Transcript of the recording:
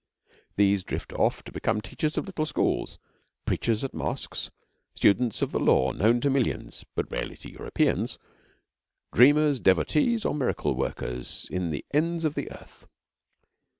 These drift off to become teachers of little schools, preachers at mosques, students of the Law known to millions (but rarely to Europeans), dreamers, devotees, or miracle workers in all the ends of the earth.